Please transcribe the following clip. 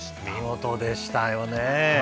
見事でしたよね。